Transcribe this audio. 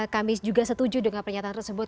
kami juga setuju dengan pernyataan tersebut